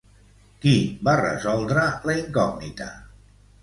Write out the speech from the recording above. Qui va resoldre la incògnita?